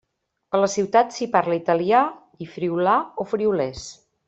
A la ciutat s'hi parla italià i friülà o friülès.